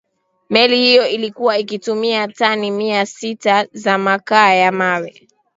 meli hiyo ilikuwa ikitumia tani mia sita za makaa ya mawe